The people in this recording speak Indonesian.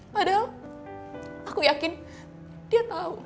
padahal aku yakin dia tahu